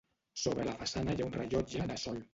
Sobre la façana hi ha un rellotge de sol.